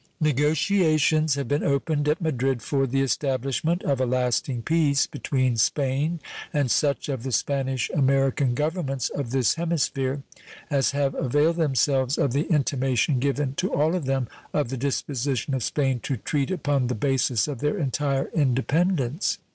Negotiations have been opened at Madrid for the establishment of a lasting peace between Spain and such of the Spanish American Governments of this hemisphere as have availed themselves of the intimation given to all of them of the disposition of Spain to treat upon the basis of their entire independence.